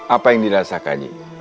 apa yang dirasakannya